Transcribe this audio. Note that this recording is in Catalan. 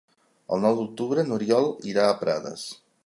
El nou d'octubre n'Oriol irà a Prades.